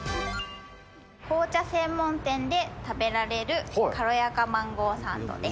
紅茶専門店で食べられる軽やかマンゴーサンドです。